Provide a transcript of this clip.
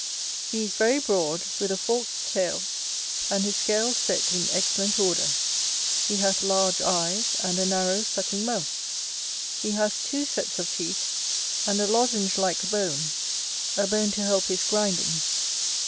He is very broad, with a forked tail, and his scales set in excellent order; he hath large eyes, and a narrow sucking mouth; he hath two sets of teeth, and a lozenge like bone, a bone to help his grinding.